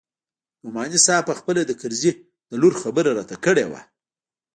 نعماني صاحب پخپله د کرزي د لور خبره راته کړې وه.